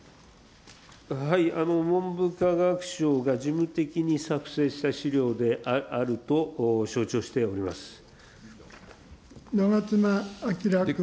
文部科学省が事務的に作成した資料であると承知をしておりま長妻昭君。